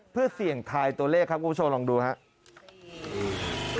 เพื่อเสี่ยงทายตัวเลขครับคุณผู้ชมลองดูครับ